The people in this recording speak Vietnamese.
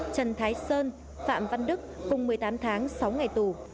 trần thái sơn phạm văn đức cùng một mươi tám tháng sáu ngày tù